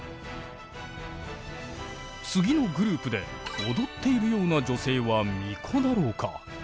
次のグループで踊っているような女性は巫女だろうか。